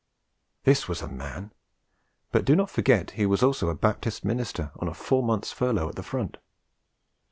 This was a man! But do not forget he was also a Baptist minister on a four months furlough at the front.